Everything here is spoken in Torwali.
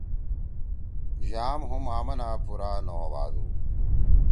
یام ہُم آمناپُورا نہ ہو بھادُو۔